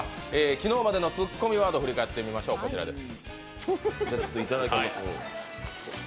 昨日までのツッコミワード振り返ってみましょう、こちらです。